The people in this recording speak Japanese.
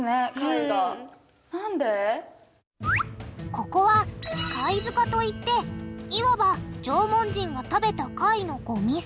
ここは貝塚と言っていわば縄文人が食べた貝のゴミ捨て場。